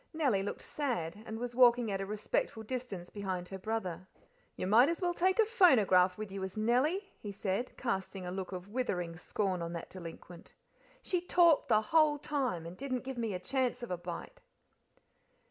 Nellie looked sad, and was walking at a respectful distance behind her brother. "You might as well take a phonograph with you as Nellie," he said, casting a look of withering scorn on that delinquent. "She talked the whole time, and didn't give me a chance of a bite."